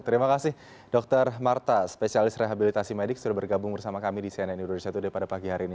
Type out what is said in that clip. terima kasih dr marta spesialis rehabilitasi medik sudah bergabung bersama kami di cnn indonesia today pada pagi hari ini